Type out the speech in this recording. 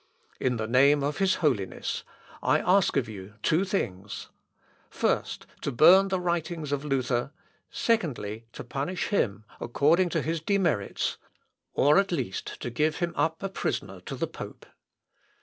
In the name of his Holiness, I ask of you two things: first, to burn the writings of Luther; secondly, to punish him according to his demerits, or at least to give him up a prisoner to the pope.